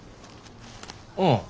うん。